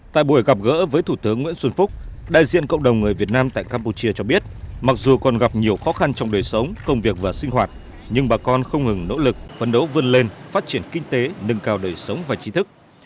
tại buổi gặp gỡ với thủ tướng nguyễn xuân phúc đại diện cộng đồng người việt nam tại campuchia cho biết mặc dù còn gặp nhiều khó khăn trong đời sống công việc và sinh hoạt nhưng bà con không ngừng nỗ lực phấn đấu vươn lên phát triển kinh tế nâng cao đời sống và trí thức